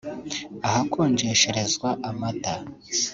ahakonjesherezwa amata